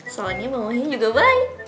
soalnya mamahnya juga baik